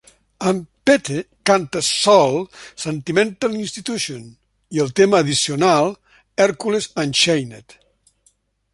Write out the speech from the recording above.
En Pete canta sol "Sentimental Institution" i el tema addicional "Hercules Unchained".